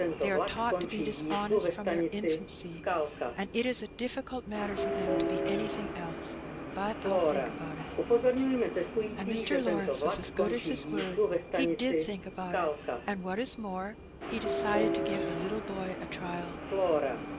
They are taught to be dishonest The Tide Turns. 143 from their infancy, and it is a difficult matter for them to be anything else; but Fll think about it/^ And Mr. Lawrence was as good as his word; he did think about it, and, what is more, he decided to give the little boy a trial.